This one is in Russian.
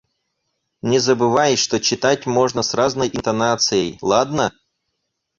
Не забывай, что читать можно с разной интонацией, ладно?